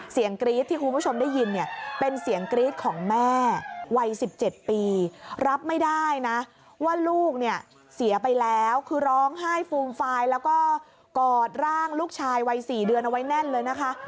กรี๊ดที่คุณผู้ชมได้ยินเนี่ยเป็นเสียงกรี๊ดของแม่วัย๑๗ปีรับไม่ได้นะว่าลูกเนี่ยเสียไปแล้วคือร้องไห้ฟูมฟายแล้วก็กอดร่างลูกชายวัย๔เดือนเอาไว้แน่นเลยนะคะ